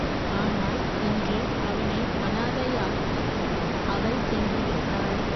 ஆனால் இன்று அவனை அனாதையாக்கி, அவள் சென்று விட்டாள்.